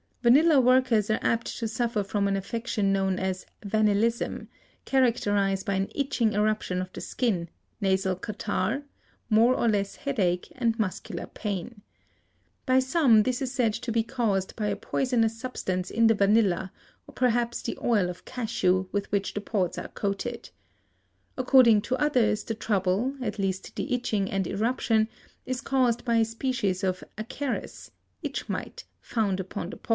Vanilla workers are apt to suffer from an affection known as vanillism, characterized by an itching eruption of the skin, nasal catarrh, more or less headache and muscular pain. By some this is said to be caused by a poisonous substance in the vanilla or perhaps the oil of cashew, with which the pods are coated. According to others the trouble, at least the itching and eruption, is caused by a species of acarus (itch mite) found upon the pod.